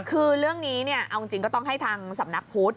คือเรื่องนี้เอาจริงก็ต้องให้ทางสำนักพุทธ